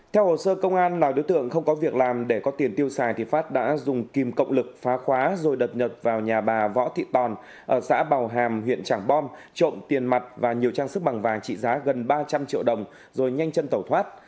theo hồ sơ công an lào đối tượng không có việc làm để có tiền tiêu xài thì phát đã dùng kìm cộng lực phá khóa rồi đột nhập vào nhà bà võ thị tòn ở xã bào hàm huyện tràng bom trộm tiền mặt và nhiều trang sức bằng vàng trị giá gần ba trăm linh triệu đồng rồi nhanh chân tẩu thoát